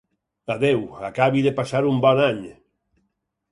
Adéu, acabi de passar un bon any.